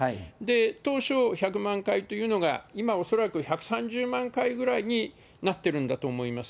当初、１００万回というのが今恐らく、１３０万回くらいになってるんだと思います。